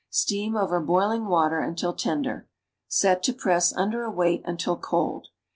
Steam over boiling \\ater until tender. Set to press under a weight until cold.